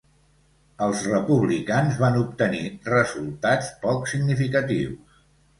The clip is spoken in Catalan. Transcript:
Els republicans van obtenir resultats poc significatius.